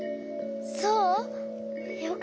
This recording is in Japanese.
そう？